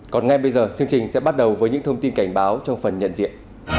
còn ngay bây giờ chương trình sẽ bắt đầu với những thông tin cảnh báo trong phần nhận diện